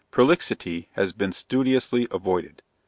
Prolixity has been studiously avoided.